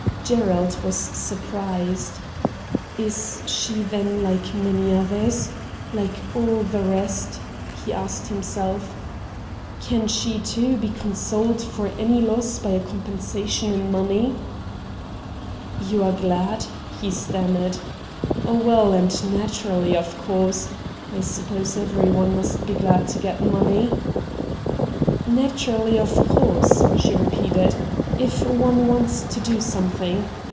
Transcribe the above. Gerald was surprised. ' Is she then like so many others — hke all the rest ?' he asked himself ' Can she, too, be consoled for any loss by a compensation in money ?'' You are glad ?' he stammered. ' Oh well, o2 196 RED DIAMONDS and naturally, of course. I suppose everyone must be glad to get money.' ' Naturally, of course,' she repeated, ' if one wants to do something.